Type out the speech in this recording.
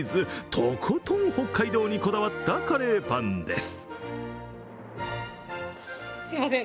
とことん北海道にこだわったカレーパンです。